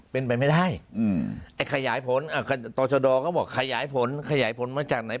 เป็นไปไม่ได้ไอ้ขยายผลต่อชะดอก็บอกขยายผลขยายผลมาจากไหน